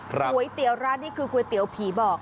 ก๋วยเตี๋ยวร้านนี้คือก๋วยเตี๋ยวผีบอก